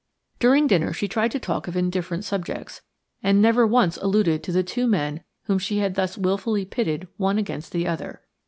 During dinner she tried to talk of indifferent subjects, and never once alluded to the two men whom she had thus wilfully pitted one against the other.